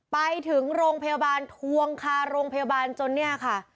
ไปถึงโรงพยาบาลทวงคาโรงพยาบาลจนเนี่ยค่ะ